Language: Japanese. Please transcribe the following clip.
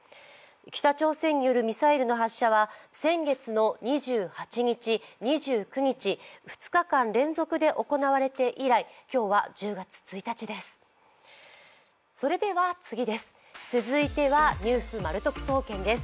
北朝鮮によるミサイルの発射は先月の２８日、２９日、２日間連続で行われて以来、今日は１０月１日です。